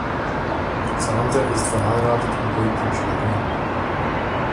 Zander ist verheiratet und lebt in Schwerin.